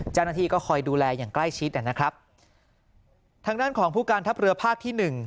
เจ้าหน้าที่ก็คอยดูแลอย่างใกล้ชิดนะครับทางด้านของผู้การทัพเรือภาคที่หนึ่ง